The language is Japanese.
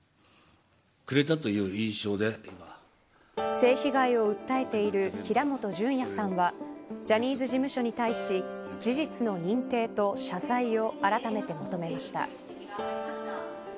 性被害を訴えている平本淳也さんはジャニーズ事務所に対し事実の認定と謝罪をあらためて求めました。